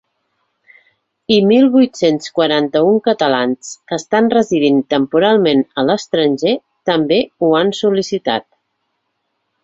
I mil vuit-cents quaranta-un catalans que estan residint temporalment a l’estranger també ho han sol·licitat.